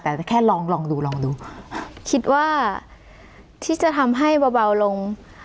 แต่แค่ลองลองดูลองดูคิดว่าที่จะทำให้เบาลง